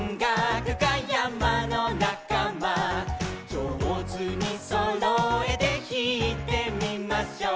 「じょうずにそろえてひいてみましょう」